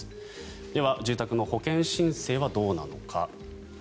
では、住宅の保険申請はどうなのか。